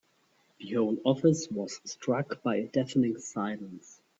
The whole office was struck by a deafening silence.